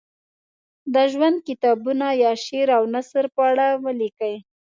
د ژوند کتابونه یا شعر او نثر په اړه ولیکي.